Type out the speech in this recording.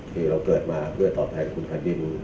ที่เราเกิดมาเพื่อตอบแทนคุณแผ่นดิน